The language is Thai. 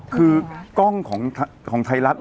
คือกล้องของไทยรัฐ